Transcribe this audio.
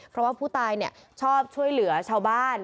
เพราะว่าผู้ตายชอบช่วยเหลือชาวบ้าน